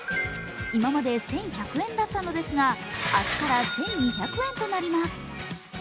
今まで１１００円だったのですが明日から１２００円となります。